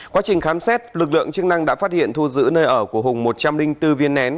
quá trình khám xét lực lượng chức năng đã phát hiện thu giữ nơi ở của hùng một trăm linh bốn viên nén